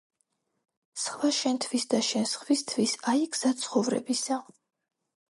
„სხვა შენთვის და შენ სხვისთვის, აი გზა ცხოვრებისა.“